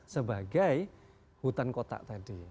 sebagai hutan kota tadi